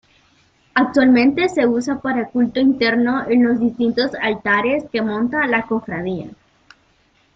Actualmente se usa para culto interno, en los distintos altares que monta la Cofradía.